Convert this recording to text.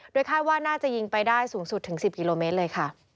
คาดว่าน่าจะยิงไปได้สูงสุดถึง๑๐กิโลเมตรเลยค่ะ